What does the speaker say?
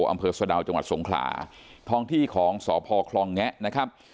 อำเภอสะดาวจังหวัดสงขลาท้องที่ของสพคลองแงะนะครับ